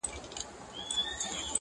سیاه پوسي ده، رنگونه نسته.